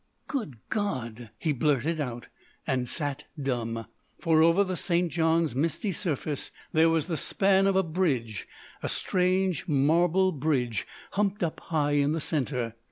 "Good God!" he blurted out. And sat dumb. For, over the St. John's misty surface, there was the span of a bridge—a strange, marble bridge humped up high in the centre.